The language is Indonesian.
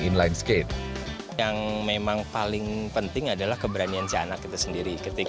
inline skate yang memang paling penting adalah keberanian si anak itu sendiri ketika